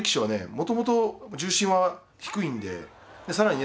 もともと重心は低いんで更にね